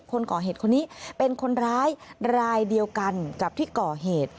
คนก่อเหตุคนนี้เป็นคนร้ายรายเดียวกันกับที่ก่อเหตุ